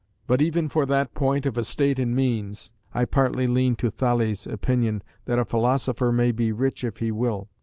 But even for that point of estate and means, I partly lean to Thales' opinion, That a philosopher may be rich if he will.